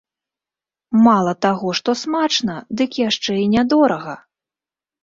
Мала таго, што смачна, дык яшчэ і нядорага!